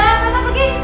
iya sana pergi